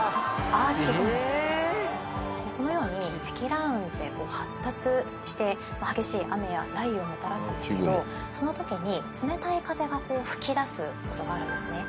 このように積乱雲って発達して激しい雨や雷雨をもたらすんですけどそのときに冷たい風が吹き出すことがあるんですね。